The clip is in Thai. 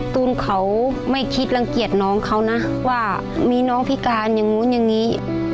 ตูนเขาไม่คิดรังเกียจน้องเขานะว่ามีน้องพิการอย่างนู้นอย่างนี้